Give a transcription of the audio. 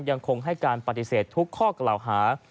ยังคงให้การปฏิเสธทุกข้อกล่าวหา